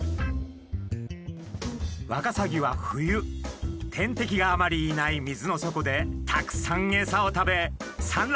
ワカサギは冬天敵があまりいない水の底でたくさんエサを食べさん